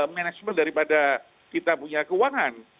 manajemen daripada kita punya keuangan